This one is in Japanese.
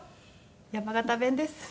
山形弁です。